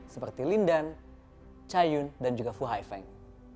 seperti lindan chayun dan juga fu haifeng